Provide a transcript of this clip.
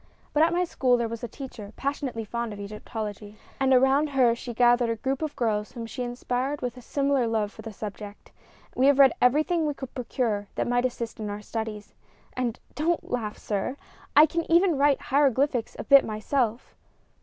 But at my school was a teacher passionately fond of Egyptology, and around her she gathered a group of girls whom she inspired with a similar love for the subject. We have read everything we could procure that might assist us in our studies, and don't laugh, sir! I can even write hieroglyphics a bit myself."